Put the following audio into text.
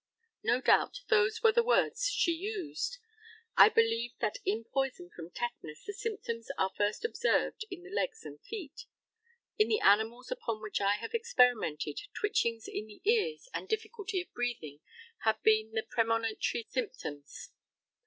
No doubt those were the words she used. I believe that in poison from tetanus the symptoms are first observed in the legs and feet. In the animals upon which I have experimented twitchings in the ears and difficulty of breathing having been the premonitory symptoms.